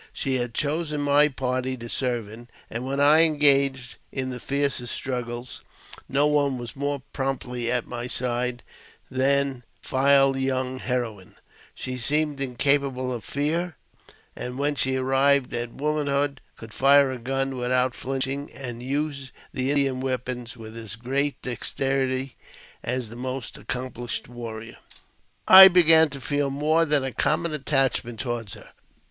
She had chosen my party to serve in, and when I engaged in the fiercest struggles, no one was more promptly at my side than the young heroine. She seemed AUTOBIOGBAPHY OF JAMES P. BECKWOUBTH. 175 incapable of fear ; and when she arrived at womanhood, could fire a gun without flinching, and use the Indian weapons with as great dexterity as the most accomplished warrior. I began to feel more than a common attachment toward her.